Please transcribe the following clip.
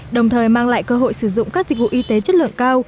đồng thời mang lại cơ hội sử dụng các dịch vụ y tế chất lượng cao